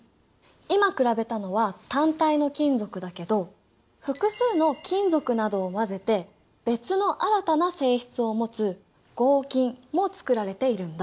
今比べたのは単体の金属だけど複数の金属などを混ぜて別の新たな性質を持つ合金もつくられているんだ。